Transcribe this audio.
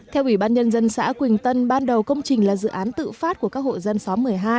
theo ủy ban nhân dân xã quỳnh tân ban đầu công trình là dự án tự phát của các hộ dân xóm một mươi hai